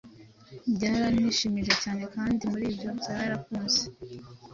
Byaranhimihije cyane, kandi muri byo byarakuze